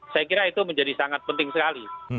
saya kira itu menjadi sangat penting sekali